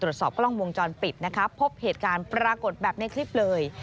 ตรวจสอบกล้องวงจรปิดนะคะพบเหตุการณ์ปรากฏแบบในคลิปเลย